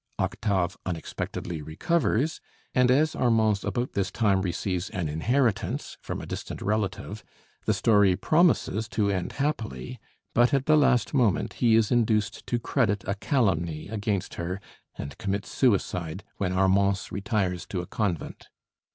Octave unexpectedly recovers, and as Armance about this time receives an inheritance from a distant relative, the story promises to end happily; but at the last moment he is induced to credit a calumny against her, and commits suicide, when Armance retires to a convent.